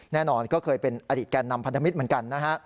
แน่นอนก็เคยเป็นอดีตแก่นำพันธมิตรเหมือนกันนะฮะ